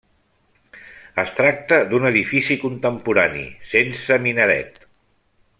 Es tracta d'un edifici contemporani, sense minaret.